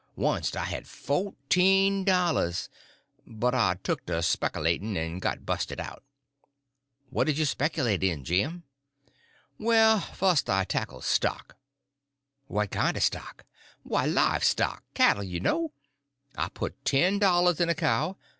Wunst I had foteen dollars, but I tuck to specalat'n', en got busted out." "What did you speculate in, Jim?" "Well, fust I tackled stock." "What kind of stock?" "Why, live stock—cattle, you know. I put ten dollars in a cow.